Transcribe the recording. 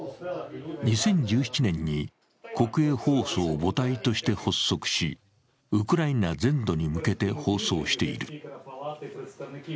２０１７年に国営放送を母体として発足しウクライナ全土に向けて放送している。